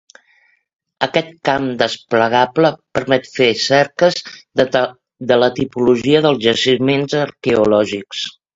Aquest camp desplegable permet fer cerques de la tipologia dels jaciments arqueològics.